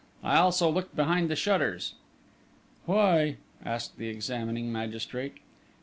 I also looked behind the shutters." "Why?" asked the examining magistrate.